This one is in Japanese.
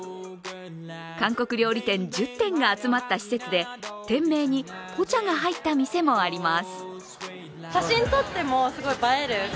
韓国料理店１０店が集まった施設で店名でポチャが入った店もあります。